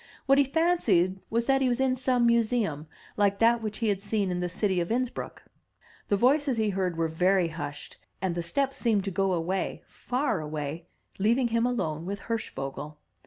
What he fancied was that he was in some museum, like that which he had seen in the city of Innsbruck. The voices he heard were very hushed, and the steps seemed to go away, far away, leaving him alone with Hirschvogel.